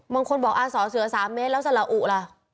บางคนบอกอาสอเสือ๓เมตรแล้วสละอุล่ะ